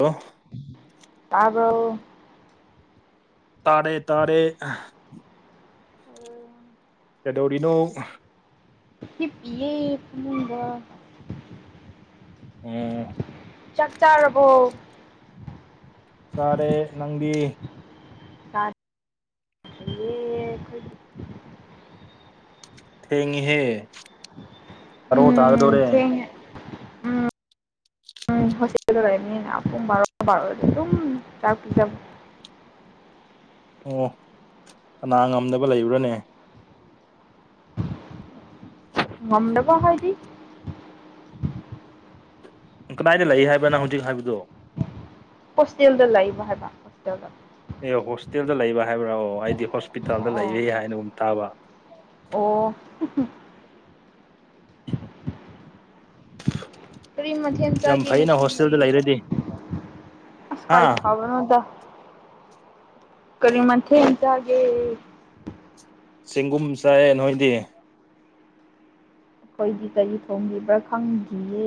hello ꯇꯥꯕꯣ ꯇꯥꯔꯦ ꯇꯥꯔꯦ ꯆꯗꯧꯔꯤꯅꯣ ꯍꯤ ꯄꯑꯦ ꯀꯕ ꯎꯝ ꯆꯥꯛ ꯆꯥꯔꯕꯣ ꯁꯥꯔꯦ ꯅꯪꯗꯤ ꯆꯥꯗ꯭ꯔꯤꯌꯦ ꯑꯩꯈꯣꯏꯗꯤ ꯊꯦꯡꯉꯤꯍꯦ ꯑꯔꯣ ꯎꯝ ꯇꯥꯔꯗꯧꯣꯔꯦ ꯊꯦꯡꯉꯦ ꯎ ꯍꯅꯤꯨꯡ ꯆꯥꯛ ꯄ ꯑꯣ ꯀꯅꯥ ꯉꯝꯗꯕ ꯂꯩꯕ꯭ꯔꯅꯦ ꯉꯝꯗꯧꯕ ꯍꯥꯏꯗꯤ ꯀꯗꯥꯏꯗ ꯂꯩ ꯍꯥꯏꯕꯅ ꯍꯧꯖꯤꯛ ꯍꯥꯏꯕꯗꯣ ꯍꯣꯁꯇꯦꯜꯗ ꯂꯥꯛꯕ ꯍꯥꯏꯕ ꯍꯣꯁꯇꯦꯜꯗ ꯑꯦ ꯍꯣꯁꯇꯦꯜꯗ ꯂꯩꯕ ꯍꯥꯏꯕ꯭ꯔꯥ ꯑꯣ ꯑꯩꯗꯤ ꯍꯣꯁꯄꯤꯇꯥꯜꯗ ꯑꯣ ꯂꯩꯕ ꯍꯥꯏꯅꯒꯨꯝ ꯇꯥꯕ ꯑꯣ ꯎꯝ ꯀꯔꯤ ꯃꯊꯦꯜ ꯌꯥꯝ ꯆꯥꯒꯦ ꯐꯩꯅ ꯉꯁꯤꯗꯤ ꯍꯣꯁꯇꯦꯜꯗ ꯂꯩꯔꯗꯤ ꯍꯥ ꯑꯁꯀꯥꯏ ꯈꯥꯕꯅꯗ ꯀꯔꯤ ꯃꯊꯦ ꯏꯗꯑꯒꯦ ꯆꯦꯡꯒꯨꯝ ꯆꯥꯏꯑꯦ ꯅꯣꯏꯗꯤ ꯑꯩꯈꯣꯏꯗꯤ ꯀꯔꯤ ꯊꯣꯡꯂꯤꯕ꯭ꯔꯥ ꯈꯪꯗ꯭ꯌꯦ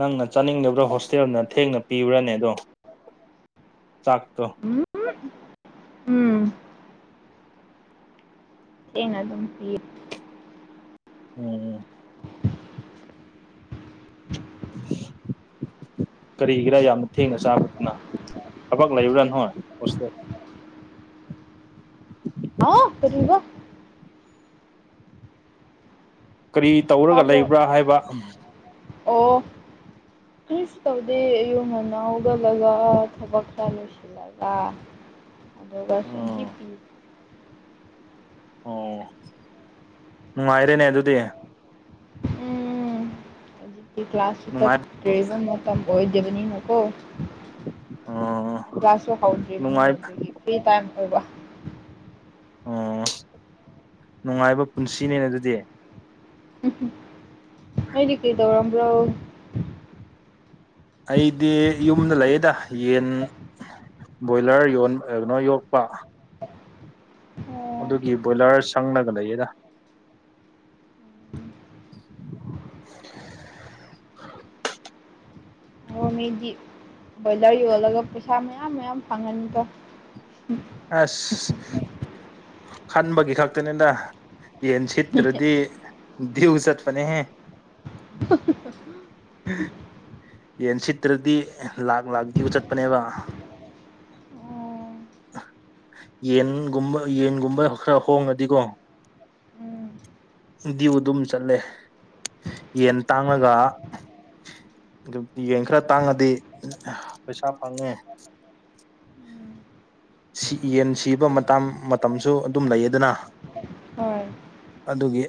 ꯅꯪꯅ ꯆꯥꯅꯤꯡꯗꯕ꯭ꯔꯥ ꯍꯣꯁꯇꯦꯜꯅ ꯊꯦꯡꯅ ꯄꯤꯕ꯭ꯔꯥꯅꯦ ꯑꯗꯣ ꯆꯥꯛꯇꯣ ꯎꯝ ꯎꯝ ꯊꯦꯡꯅ ꯑꯗꯨꯝ ꯄꯌꯦ ꯎꯝ [unintelligible] ꯀꯔꯤꯒꯤꯔꯥ ꯌꯥꯝꯅ ꯊꯦꯡꯅ ꯆꯥꯕꯗꯨꯅ ꯊꯕꯛ ꯂꯩꯔꯨꯔꯥꯅ ꯍꯣꯏ ꯍꯁꯦꯜ ꯑꯥꯎ ꯀꯔꯤꯑꯕ ꯀꯔꯤ ꯇꯧꯔꯒ ꯇꯥꯕ꯭ꯔꯣ ꯂꯩꯕ꯭ꯔꯥ ꯍꯥꯏꯕ ꯑꯣ ꯀꯔꯤꯁꯨ ꯇꯧꯗꯦ ꯑꯌꯨꯛ ꯉꯟꯅ ꯍꯧꯒꯠꯂꯒ ꯑ ꯊꯕꯛ ꯈꯔꯥ ꯂꯣꯢꯁꯤ ꯂꯒ ꯑꯗꯨꯒ ꯁꯨꯝ ꯎꯝ ꯍꯤꯞꯄꯤ ꯑꯣ ꯅꯨꯡꯉꯥꯏꯔꯦꯅꯦ ꯑꯗꯨꯗꯤ ꯎꯝ ꯍꯧꯖꯤꯛꯇꯤ ꯀ꯭ꯂꯥꯁꯁꯨ ꯅꯨꯡꯉꯥꯏ ꯆꯠꯇ꯭ꯔꯤꯕ ꯃꯇꯝ ꯑꯣꯏꯗꯕꯅꯤꯅꯥꯀꯣ ꯑꯣ ꯀ꯭ꯂꯥꯁꯨ ꯍꯥꯎꯗ꯭ꯔꯤꯕꯅꯤꯅꯥ ꯅꯨꯡꯉꯥꯏ ꯑꯗꯨꯒꯤ ꯐꯔꯤ ꯇꯥꯏꯝ ꯑꯣꯏꯕ ꯎꯝ ꯅꯨꯡꯉꯥꯏꯕ ꯄꯨꯟꯁꯤꯅꯦ ꯑꯗꯨꯗꯤ ꯑꯗꯤ ꯀꯩ ꯇꯧꯔꯝ꯭ꯔꯣ ꯑꯩꯗꯤ ꯌꯨꯝꯗ ꯂꯩꯌꯦꯗ ꯌꯦꯟ ꯕꯣꯏꯂꯔ ꯌꯣꯟ ꯀꯩꯅꯣ ꯌꯣꯛꯄ ꯑꯗꯨꯒꯤ ꯕꯣꯏꯂꯔ ꯁꯪꯅꯒ ꯂꯩꯌꯦꯗ ꯑꯣ ꯃꯤꯗꯤ ꯕꯣꯏꯂꯔ ꯌꯣꯜꯂꯒ ꯄꯩꯁꯥ ꯃꯌꯥꯝ ꯃꯌꯥꯝ ꯐꯪꯉꯅꯤꯗꯣ ꯑꯁ ꯈꯟꯕꯒꯤ ꯈꯛꯇꯅꯤꯗ ꯌꯦ ꯆ ꯇ꯭ꯔꯗꯤ ꯎ ꯆꯠꯄꯅꯦ ꯍ [unintelligible] ꯌꯦꯟ ꯁꯤꯠꯇ꯭ꯔꯗꯤ ꯂꯥꯛ ꯂꯥꯛꯗꯤꯕꯨ ꯆꯠꯄꯅꯦꯕ ꯑꯣ ꯑ ꯌꯦꯟꯒꯨꯝꯕ ꯌꯦꯟꯒꯨꯝꯕ ꯈꯔ ꯍꯣꯡꯉꯗꯤꯀꯣ ꯎꯝ ꯗꯤꯌꯨ ꯑꯗꯨꯝ ꯆꯠꯂꯦ ꯌꯦꯟ ꯇꯥꯡꯂꯒ ꯑꯗꯨꯕꯨꯗꯤ ꯌꯦꯟ ꯈꯔ ꯇꯥꯡꯉꯗꯤ ꯄꯩꯁꯥ ꯐꯪꯉꯦ ꯎꯝ ꯁꯤ ꯌꯦꯟ ꯁꯤꯕ ꯃꯇꯥꯝ ꯃꯇꯝꯁꯨ ꯑꯗꯨꯝ ꯂꯩꯌꯦꯗꯅ ꯍꯣꯏ ꯑꯗꯨꯒꯤ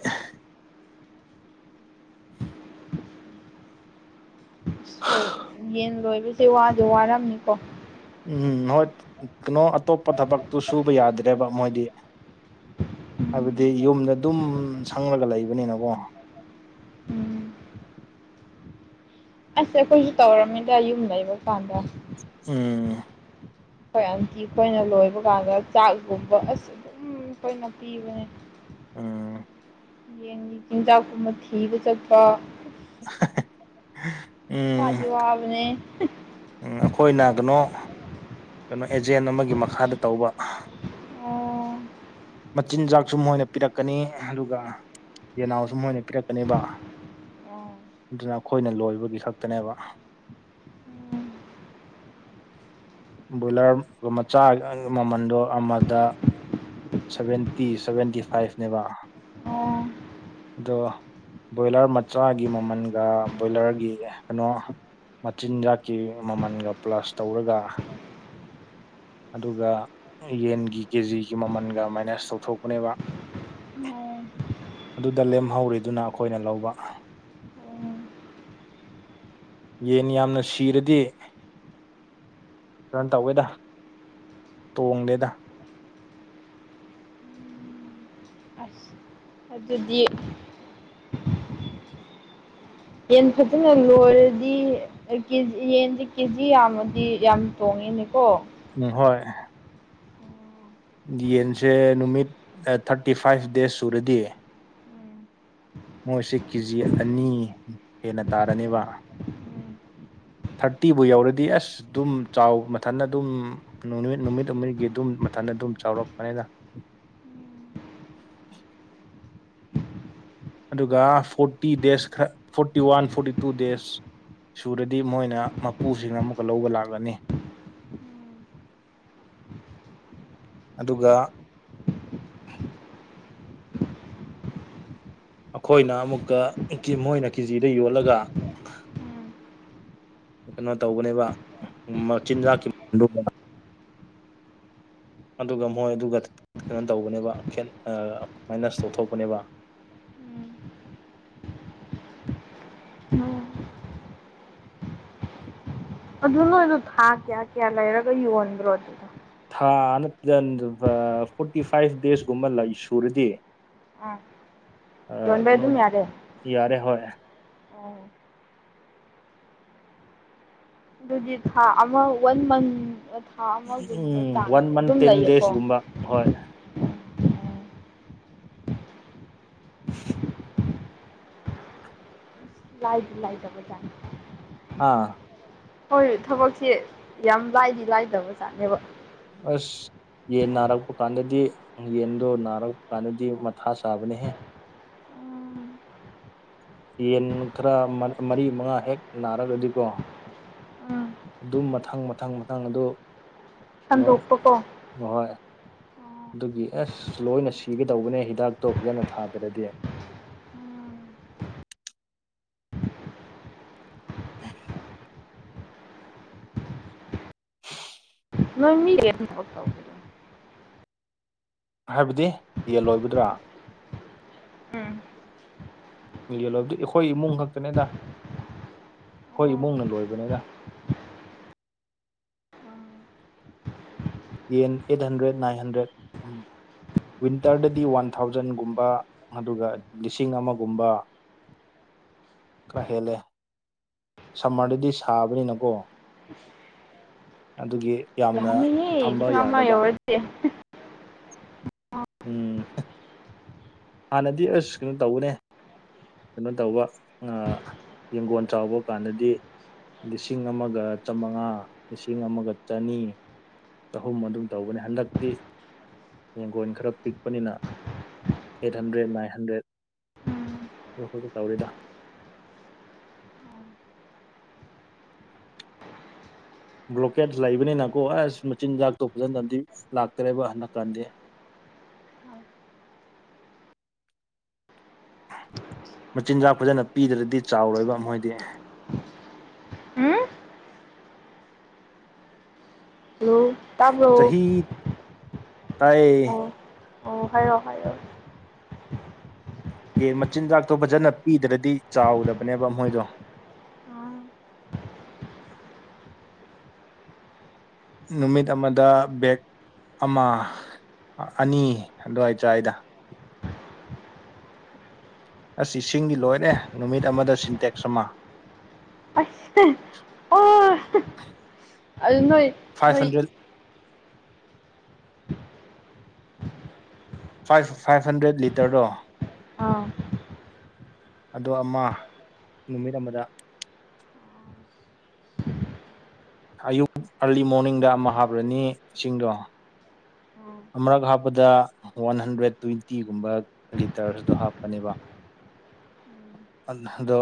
ꯍꯣꯏ ꯌꯦꯟ ꯂꯣꯏꯕꯁꯦ ꯋꯥꯗꯤ ꯋꯥꯔꯝꯅꯤꯀꯣ ꯎꯝ ꯍꯣꯏ ꯀꯩꯅꯣ ꯑꯇꯣꯞꯄ ꯊꯕꯛꯇꯨ ꯁꯨꯕ ꯌꯥꯗ꯭ꯔꯦꯕ ꯃꯣꯏꯗꯤ ꯎꯝ ꯍꯥꯏꯕꯗꯤ ꯌꯨꯝꯗ ꯑꯗꯨꯝ ꯁꯪꯂꯒ ꯂꯩꯕꯅꯤꯅꯀꯣ ꯎꯝ ꯑꯁ ꯑꯩꯈꯣꯏꯁꯨ ꯇꯧꯔꯝꯃꯤꯗ ꯌꯨꯝ ꯂꯩꯕ ꯀꯥꯟꯗ ꯎꯝ ꯑꯩꯈꯣꯏ ꯑꯟꯇꯤ ꯈꯣꯏꯅ ꯂꯣꯏꯕ ꯀꯥꯟꯗ ꯆꯥꯛꯒꯨꯝꯕ ꯑꯁ ꯑꯗꯨꯝ ꯑꯩꯈꯣꯏꯅ ꯄꯤꯕꯅꯦ ꯎꯝ ꯌꯦꯟꯒꯤ ꯆꯤꯟꯖꯥꯛꯀꯨꯝꯕ ꯊꯤꯕ ꯆꯠꯄ ꯑꯍ ꯋꯥꯗꯤ ꯋꯥꯕꯅꯦ ꯎꯝ ꯑꯩꯈꯣꯏꯅ ꯅꯒꯅꯣ ꯀꯩꯅꯣ ꯑꯦꯖꯦꯟ ꯑꯃꯒꯤ ꯃꯈꯥꯗ ꯇꯧꯕ ꯍ ꯑꯣ ꯃꯆꯤꯟꯖꯥꯛꯁꯨ ꯃꯣꯏꯅ ꯄꯤꯔꯛꯀꯅꯤ ꯑꯗꯨꯒ ꯌꯦꯟꯅꯥꯎꯁꯨ ꯃꯣꯏꯅ ꯄꯤꯔꯛꯀꯅꯦꯕ ꯑꯣ ꯑꯗꯨꯅ ꯑꯩꯈꯣꯏꯅ ꯂꯣꯏꯕꯒꯤ ꯈꯛꯇꯅꯦꯕ ꯕꯣꯏꯂꯔꯒꯨꯝ ꯃꯆꯥ ꯃꯃꯟꯗꯣ ꯑꯃꯗ ꯁꯚꯦꯟꯇꯤ ꯁꯚꯦꯟꯇꯤ ꯐꯥꯏꯚꯅꯦꯕ ꯑꯣ ꯗꯣ ꯕꯣꯏꯂꯔ ꯃꯆꯥꯒꯤ ꯃꯃꯜꯒ ꯕꯣꯏꯂꯔꯒꯤ ꯀꯩꯅꯣ ꯃꯆꯤꯟꯖꯥꯛꯀꯤ ꯃꯃꯜꯒ ꯄ꯭ꯂꯁ ꯇꯧꯔꯒ ꯑꯗꯨꯒ ꯌꯦꯟꯒꯤ ꯀꯦꯖꯤꯒꯤ ꯃꯃꯜ ꯒ ꯃꯥꯏꯅꯁ ꯇꯧꯊꯣꯛꯄꯅꯦꯕ ꯑꯣ ꯑꯗꯨꯗ ꯂꯦꯝꯍꯧꯔꯤꯗꯨꯅ ꯑꯩꯈꯣꯏꯅ ꯂꯧꯕ ꯑꯣ ꯌꯦꯟ ꯌꯥꯝꯅ ꯁꯤꯔꯗꯤ ꯔꯟ ꯇꯧꯌꯦꯗ ꯇꯣꯡꯗꯦꯗ ꯑꯁ ꯑꯗꯨꯗꯤ ꯌꯦꯟ ꯐꯖꯅ ꯂꯣꯏꯔꯗꯤ ꯑ ꯀꯦꯖꯤ ꯌꯦꯟꯁꯦ ꯀꯦꯖꯤ ꯌꯥꯝꯃꯗꯤ ꯌꯥꯝ ꯇꯣꯡꯉꯦꯅꯦꯀꯣ ꯎꯝ ꯍꯣꯏ ꯌꯦꯟꯁꯦ ꯅꯨꯃꯤꯠ ꯊꯥꯔꯇꯤ ꯐꯥꯏꯚ ꯗꯦꯖ ꯁꯨꯔꯗꯤ ꯎꯝ ꯃꯣꯏꯁꯤ ꯀꯦꯖꯤ ꯑꯅꯤ ꯍꯦꯟꯅ ꯇꯥꯔꯅꯦꯕ ꯊꯥꯔꯇꯤꯕꯨ ꯌꯧꯔꯗꯤ ꯑꯁ ꯑꯗꯨꯝ ꯆꯥꯎ ꯃꯊꯟꯅ ꯑꯗꯨꯝ ꯅꯨꯃꯤꯠ ꯅꯨꯃꯤꯠ ꯍꯨꯝꯅꯤꯒꯤ ꯑꯗꯨꯝ ꯃꯊꯟꯗ ꯑꯗꯨꯝ ꯆꯥꯎꯔꯛꯄꯅꯤꯅ ꯑꯗꯨꯒ ꯐꯣꯔꯇꯤ ꯗꯦꯖ ꯈꯔ forty one forty two days ꯁꯨꯔꯗꯤ ꯃꯣꯏꯅ ꯃꯄꯨꯁꯤꯡ ꯑꯃꯨꯛꯀ ꯂꯧꯕ ꯂꯥꯛꯂꯅꯤ ꯑꯗꯨꯒ ꯑꯩꯈꯣꯏꯅ ꯑꯃꯨꯛꯀ ꯀꯤ ꯃꯣꯏꯅ ꯀꯦꯖꯤꯗ ꯌꯣꯜꯂꯒ ꯀꯩꯅꯣ ꯇꯧꯕꯅꯦꯕ ꯃꯆꯤꯟꯖꯥꯛꯀꯤ ꯃ ꯗꯨ ꯑꯗꯨꯒ ꯃꯣꯏ ꯑꯗꯨꯒ ꯀꯩꯅꯣ ꯇꯧꯕꯅꯦꯕ ꯈꯦꯠ ꯃꯥꯏꯅꯁ ꯇꯧꯊꯣꯛꯄꯅꯦꯕ ꯎꯝ ꯎꯝ ꯎꯝ ꯑꯗꯨ ꯅꯣꯏꯗꯣ ꯊꯥ ꯀꯌꯥ ꯀꯌꯥ ꯂꯩꯔꯒ ꯌꯣꯟꯕ꯭ꯔꯣ ꯑꯗꯨ ꯊꯥ ꯅꯠꯇꯦꯗ ꯅꯨ ꯐꯣꯔꯇꯤ ꯐꯥꯏꯚ ꯗꯦꯖꯀꯨꯝꯕ ꯂꯩ ꯁꯨꯔꯗꯤ ꯑꯥ ꯑ ꯌꯣꯟꯕ ꯀꯩꯅꯣ ꯑꯗꯨꯝ ꯌꯥꯔꯦ ꯌꯥꯔꯦ ꯍꯣꯏ ꯑꯣ ꯑꯗꯨꯗꯤ ꯊꯥ ꯑꯃ ꯋꯥꯟ ꯃꯟ ꯊꯥ ꯎꯝ ꯑꯃꯒꯨꯝꯕ ꯋꯥꯟ ꯆꯥꯡꯁꯦ ꯃꯟ ꯑꯗꯨꯝ ꯇꯦꯟ ꯂꯩꯌꯦꯀꯣ ꯗꯦꯖꯒꯨꯝꯕ ꯍꯣꯏ ꯂꯥꯏꯗꯤ ꯂꯥꯏꯗꯕꯖꯥꯅꯤ [unintelligible] ꯑꯥ ꯍꯣꯏ ꯊꯕꯛꯁꯦ ꯌꯥꯝ ꯂꯥꯏꯗꯤ ꯂꯥꯏꯗꯕꯖꯥꯠꯅꯦꯕ ꯑꯁ ꯌꯦꯟ ꯅꯥꯔꯛꯄ ꯀꯥꯟꯗꯗꯤ ꯌꯦꯟꯗꯣ ꯅꯥꯔꯛꯄ ꯀꯥꯟꯗꯗꯤ ꯃꯊꯥ ꯆꯥꯕꯅꯦꯍꯦ ꯎꯝ ꯌꯦꯟ ꯈꯔ ꯃꯔꯤ ꯃꯉꯥ ꯍꯦꯛ ꯅꯥꯔꯒꯗꯤꯀꯣ ꯑꯗꯨꯝ ꯃꯊꯪ ꯃꯊꯪ ꯃꯊꯥꯡ ꯑꯗꯨ ꯀꯩꯅꯣ ꯁꯟꯗꯣꯛꯄꯀꯣ ꯍꯣꯏ ꯑꯗꯨꯒꯤ ꯑꯁ ꯂꯣꯏꯅ ꯁꯤꯒꯗꯧꯕꯅꯦ ꯍꯤꯗꯥꯛꯇꯣ ꯐꯖꯅ ꯊꯥꯗꯔꯗꯤ [unintelligible] ꯅꯣꯏ ꯃꯤ ꯀꯌꯥ ꯇꯧꯒꯦ ꯍꯥꯏꯕꯗꯤ ꯌꯦꯟꯂꯣꯏꯕꯗ꯭ꯔꯣ ꯎꯝ ꯌꯦꯜ ꯂꯣꯏꯕꯗꯤ ꯑꯩꯈꯣꯏ ꯏꯃꯨꯡ ꯈꯛꯇꯅꯤꯗ ꯑꯩꯈꯣꯏ ꯏꯃꯨꯡꯅ ꯂꯣꯏꯕꯅꯤꯗ ꯌꯦꯟ ꯑꯩꯠ ꯍꯟꯗ꯭ꯔꯦꯠ ꯅꯥꯏꯟ ꯍꯟꯗ꯭ꯔꯦꯠ ꯎꯝ ꯋꯤꯟꯇꯔꯗꯗꯤ ꯋꯥꯟ ꯊꯥꯎꯖꯟꯒꯨꯝꯕ ꯑꯗꯨꯒ ꯂꯤꯁꯤꯡ ꯑꯃꯒꯨꯝꯕ ꯈꯔ ꯍꯦꯜꯂꯦ ꯁꯝꯃꯔꯗꯗꯤ ꯁꯥꯕꯅꯤꯅꯀꯣ ꯑꯗꯨꯒꯤ ꯌꯥꯝꯅ ꯌꯥꯃꯤ ꯏ ꯊꯝꯕ ꯉꯃ ꯌꯥꯗꯕ ꯌꯔꯗꯤ ꯎꯝ ꯍꯥꯟꯅꯗꯤ ꯑꯁ ꯀꯩꯅꯣ ꯇꯧꯕꯅꯦ ꯀꯩꯅꯣ ꯇꯧꯕ ꯌꯦꯡꯒꯣꯟ ꯆꯥꯎꯕ ꯀꯥꯟꯗꯗꯤ ꯂꯤꯁꯤꯡ ꯑꯃꯒ ꯆꯃꯉꯥ ꯂꯤꯁꯤꯡ ꯑꯃꯒ ꯆꯅꯤ ꯆꯍꯨꯝ ꯑꯗꯨꯝ ꯇꯧꯕꯅꯤ ꯍꯟꯗꯛꯇꯤ ꯌꯦꯡꯒꯣꯟ ꯈꯔ ꯄꯤꯛꯄꯅꯤꯅ ꯑꯩꯠ ꯍꯟꯗ꯭ꯔꯦꯠ ꯅꯥꯏꯟ ꯍꯟꯗ꯭ꯔꯦꯠ ꯑ ꯑꯩꯈꯣꯏꯣ ꯇꯧꯔꯤꯗ ꯕ꯭ꯂꯣꯀꯦꯠ ꯂꯩꯕꯅꯤꯅꯀꯣ ꯑꯁ ꯃꯆꯤꯟꯖꯥꯛꯇꯣ ꯐꯖꯟꯅꯗꯤ ꯂꯥꯛꯇꯔꯦꯕ ꯍꯟꯗꯛꯀꯥꯟꯗꯤ ꯃꯆꯤꯟꯖꯥꯛ ꯐꯖꯅ ꯄꯤꯗ꯭ꯔꯗꯤ ꯆꯥꯎꯔꯣꯏꯕ ꯃꯣꯏꯗꯤ ꯎꯝ ꯍꯜꯂꯣ ꯇꯥꯕ꯭ꯔꯣ ꯆꯍꯤꯍꯤ ꯇꯥꯏ ꯑꯣ ꯍ ꯑꯣ ꯍ ꯌꯦ ꯃꯆꯤꯟꯖꯥꯛꯇꯣ ꯐꯖꯅ ꯄꯤꯗ꯭ꯔꯗꯤ ꯆꯥꯎꯗꯕꯅꯦꯕ ꯃꯣꯏꯗꯣ ꯍꯥꯏꯔꯛꯑꯣ ꯅꯨꯃꯤꯠ ꯑꯃꯗ ꯕꯦꯦꯛ ꯑꯃ ꯑꯅꯤ ꯑꯗꯨꯋꯥꯏ ꯁ꯭ꯋꯥꯏꯗ ꯑꯁ ꯏꯁꯤꯡꯗꯤ ꯂꯣꯏꯔꯦ ꯅꯨꯃꯤꯠ ꯑꯃꯗ ꯁꯤꯟꯇꯦꯛꯁ ꯑꯃ ꯑꯁꯦ ꯑꯣ ꯑꯗꯨꯅꯣꯏ five hundred five five hundred ꯂꯤꯇꯔꯗꯣ ꯑꯥ ꯑꯗꯣ ꯑꯃ ꯅꯨꯃꯤꯠ ꯑꯃꯗ ꯑꯌꯨꯛ ꯑꯥꯔꯂꯤ ꯃꯣꯔꯅꯤꯡꯗ ꯑꯃ ꯍꯥꯞꯔꯅꯤ ꯏꯁꯤꯡꯗꯣ ꯑꯃꯨꯔꯛ ꯍꯥꯞꯄꯗ ꯋꯥꯟ ꯍꯟꯗ꯭ꯔꯦꯠ ꯇ꯭ꯋꯦꯟꯇꯤꯒꯨꯝꯕ ꯂꯤꯇꯔꯁꯨꯗꯣ ꯍꯥꯞꯄꯅꯦꯕ ꯑꯜꯗ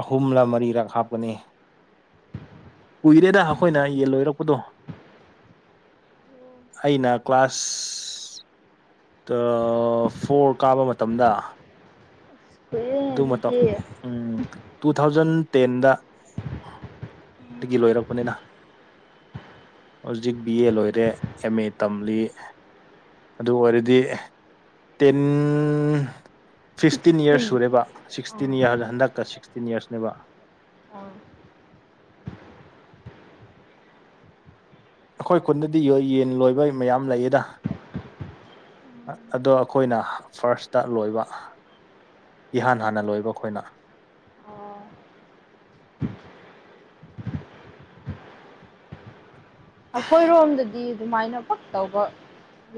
ꯑꯍꯨꯝꯂꯛ ꯃꯔꯤꯔꯛ ꯍꯥꯞꯀꯅꯤ ꯀꯨꯏꯔꯦꯗ ꯑꯩꯈꯣꯏꯅ ꯌꯦꯟ ꯂꯣꯏꯔꯛꯄꯗꯣ ꯑꯩꯅ ꯀ꯭ꯂꯥꯁ ꯐꯣꯔ ꯀꯥꯕ ꯃꯇꯝꯗ ꯀꯨꯏꯔꯦꯅꯦ ꯑꯗꯨ ꯃꯇꯧ ꯑꯗꯨꯗꯤ ꯎꯝ ꯇꯨ ꯊꯥꯎꯖꯟ ꯇꯦꯟꯗ ꯗꯒꯤ ꯂꯣꯏꯔꯛꯄꯅꯤꯅ ꯍꯧꯖꯤꯛ ꯕꯤ ꯑꯦ ꯂꯣꯏꯔꯦ ꯑꯦꯝ ꯑꯦ ꯇꯝꯂꯤ ꯑꯗꯨ ꯑꯣꯏꯔꯗꯤ ꯇꯤꯟ ꯐꯤꯐꯇꯤꯟ ꯌꯤꯔꯁ ꯎꯝ ꯁꯨꯔꯦꯕ ꯑꯥ ꯁꯤꯛꯁꯇꯤꯟ ꯌꯤꯔꯁ ꯍꯟꯗꯛꯀ ꯁꯤꯛꯁꯇꯤꯟ ꯌꯤꯔꯁꯅꯦꯕ ꯑꯥ ꯑꯩꯈꯣꯏ ꯈꯨꯟꯗꯗꯤ ꯌꯣꯏ ꯌꯦꯟ ꯂꯣꯏꯕ ꯃꯌꯥꯝ ꯂꯩꯌꯦꯗ ꯑꯗꯣ ꯑꯩꯈꯣꯏꯅ ꯐꯥꯔꯁꯇ ꯂꯣꯏꯕ ꯏꯍꯥꯟ ꯍꯥꯟꯅ ꯂꯣꯏꯕ ꯑꯩꯈꯣꯏꯅ ꯑꯩꯈꯣꯏꯔꯣꯝꯗꯗꯤ ꯑꯗꯨꯃꯥꯏꯅ ꯄꯛ ꯇꯧꯕ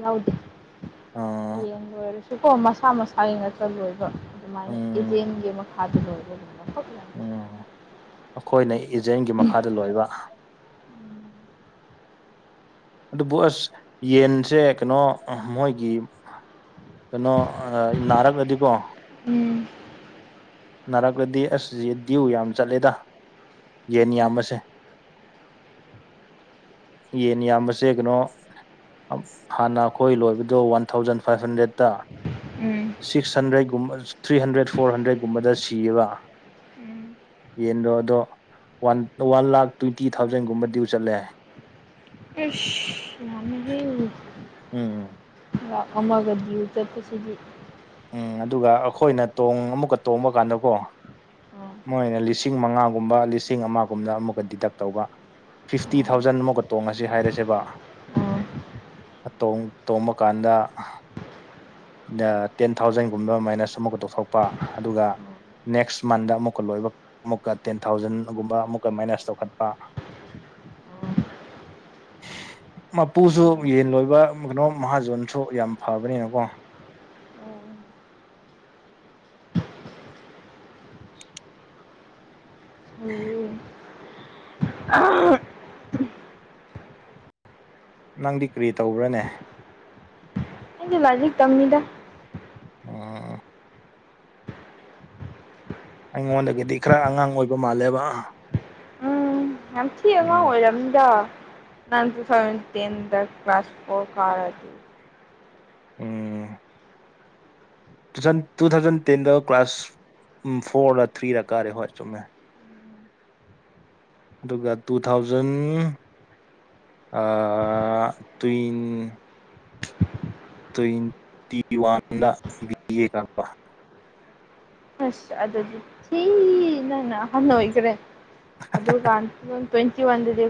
ꯌꯥꯎꯗꯦ ꯑ ꯌꯦꯡ ꯂꯣꯏꯔꯁꯨꯀꯣ ꯃꯁꯥ ꯃꯁꯥꯒꯤ ꯉꯥꯛꯇ ꯂꯣꯏꯕ ꯑꯗꯨꯃꯥꯏꯅ ꯎꯝ ꯏꯖꯦꯟꯒꯤ ꯑꯃ ꯍꯥ ꯂ ꯃꯈꯈꯣꯏꯅ ꯏꯖꯦꯟꯒꯤ ꯃꯈꯥꯗ ꯂꯣꯏꯕ ꯑꯗꯨꯕꯨ ꯑꯁ ꯌꯦꯟꯁꯦ ꯀꯩꯅꯣ ꯃꯣꯏꯒꯤ ꯀꯩꯅꯣ ꯅꯥꯔꯛꯑꯗꯤꯀꯣ ꯎꯝ ꯅꯥꯔꯛꯂꯗꯤ ꯑꯁꯁ ꯗ꯭ꯌꯨ ꯌꯥꯝ ꯆꯠꯂꯦꯗ ꯌꯦꯟ ꯎꯝ ꯌꯥꯝꯕꯁꯦ ꯌꯦꯟ ꯌꯥꯝꯕꯁꯦ ꯀꯅꯣ ꯍꯥꯟꯅ ꯑꯩꯈꯣꯏ ꯂꯣꯏꯕꯗꯣ ꯋꯥꯟ ꯊꯥꯎꯖꯟ ꯐꯥꯏꯚ ꯍꯟꯗ꯭ꯔꯦꯠꯇ ꯎꯝ ꯁꯤꯛꯁ ꯍꯟꯗ꯭ꯔꯦꯠꯒꯨꯝꯕ ꯊ꯭ꯔꯤ ꯍꯟꯗ꯭ꯔꯦꯠ ꯐꯣꯔ ꯍꯟꯗ꯭ꯔꯦꯠꯀꯨꯝꯕꯗ ꯁꯤꯌꯦꯕ ꯎꯝ ꯌꯦꯟꯗꯣ ꯑꯗꯣ ꯋꯥꯟ ꯋꯥꯟ ꯂꯥꯛ ꯇ꯭ꯋꯦꯟꯇꯤ ꯊꯥꯎꯖꯟꯒꯨꯝꯕ ꯗꯤꯎ ꯆꯠꯂꯦ ꯑꯁ ꯌꯥꯝꯃꯦꯍꯦ ꯎꯝ ꯂꯥꯛ ꯑꯃꯒ ꯗꯤꯌꯨ ꯆꯠꯄꯁꯤꯗꯤ ꯎꯝ ꯑꯗꯨꯒ ꯑꯩꯈꯣꯏꯅ ꯇꯣꯡ ꯑꯃꯨꯛꯀ ꯇꯣꯡꯕ ꯀꯥꯟꯗꯀꯣ ꯑꯥ ꯃꯣꯏꯅ ꯂꯤꯁꯤꯡ ꯃꯉꯥꯒꯨꯝꯕ ꯂꯤꯁꯤꯡ ꯑꯃꯒꯨꯝꯅ ꯑꯃꯨꯛꯀ ꯗꯤꯗꯛ ꯇꯧꯕ ꯐꯤꯐꯇꯤ ꯑꯥ ꯊꯥꯎꯖꯟ ꯑꯃꯨꯛꯀ ꯇꯣꯡꯉꯁꯤ ꯍꯥꯏꯔꯁꯦꯕ ꯑꯥ ꯇꯣꯡ ꯇꯣꯡꯕꯀꯥꯟꯗ ꯗ ꯇꯦꯟ ꯊꯥꯎꯖꯟꯒꯨꯝꯕ ꯃꯥꯏꯅꯁ ꯑꯃꯨꯛꯀ ꯇꯧꯊꯣꯛꯄ ꯑꯗꯨꯒ ꯅꯦꯛꯁ ꯃꯟꯗ ꯑꯃꯨꯛꯀ ꯂꯣꯏꯕ ꯑꯃꯨꯛꯀ ꯇꯦꯟ ꯊꯥꯎꯖꯟꯒꯨꯝꯕ ꯑꯃꯨꯛꯀ ꯃꯥꯏꯅꯁ ꯇꯧꯈꯠꯄ [unintelligible] ꯃꯄꯨꯁꯨ ꯌꯦꯟ ꯂꯣꯏꯕ ꯀꯩꯅꯣ ꯃꯍꯥꯖꯣꯟꯁꯨ ꯌꯥꯝ ꯐꯕꯅꯤꯅꯀꯣ [unintelligible] ꯅꯪꯗꯤ ꯀꯔꯤ ꯇꯧꯕ꯭ꯔꯅꯦ ꯑꯩꯗꯤ ꯂꯥꯏꯔꯤꯛ ꯇꯝꯃꯤꯗ ꯑꯣ ꯑꯩꯉꯣꯟꯗꯒꯤꯗꯤ ꯈꯔ ꯑꯉꯥꯡ ꯑꯣꯏꯕ ꯃꯥꯜꯂꯦꯕ ꯌꯥꯝꯊꯤ ꯑꯉꯥꯡ ꯎꯝ ꯑꯣꯏꯔꯝꯅꯤꯗ ꯅꯪ UNINTELLIGIBLE ꯇꯦꯟ ꯗ ꯀ꯭ꯂꯥꯁ ꯐꯣꯔ ꯀꯥꯔꯗꯤ ꯎꯝ ꯇꯨꯖꯟ ꯇꯨꯊꯥꯎꯖꯟ ꯇꯦꯟꯗ ꯀ꯭ꯂꯥꯁ ꯎꯝ ꯐꯣꯔꯔ ꯊ꯭ꯔꯤꯗ ꯀꯥꯔꯦ ꯍꯣꯏ ꯆꯨꯝꯃꯦ ꯑꯗꯨꯒ ꯇꯨ ꯊꯥꯎꯖꯟ ꯑ ꯇ꯭ꯋꯤꯟ ꯇ꯭ꯋꯦꯟꯇꯤ ꯋꯥꯟꯗ ꯕꯤ ꯑꯦ ꯀꯥꯛꯄ ꯑꯁ ꯑꯗꯨꯗꯤ ꯊꯤ ꯅꯪꯅ ꯑꯍꯟ ꯑꯣꯏꯈ꯭ꯔꯦ ꯑꯗꯨ ꯀꯥꯟ ꯇ꯭ꯋꯦꯟꯇꯤ ꯋꯥꯟꯗꯗꯤ